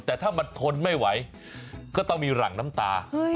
แต่ถ้ามันทนไม่ไหวก็ต้องมีหลังน้ำตา